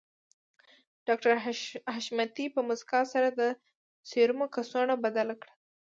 ډاکټر حشمتي په مسکا سره د سيرومو کڅوړه بدله کړه